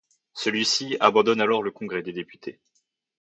Celui-ci abandonne alors le Congrès des députés.